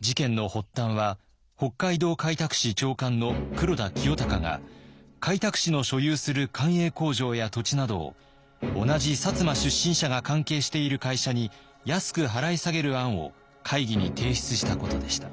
事件の発端は北海道開拓使長官の黒田清隆が開拓使の所有する官営工場や土地などを同じ摩出身者が関係している会社に安く払い下げる案を会議に提出したことでした。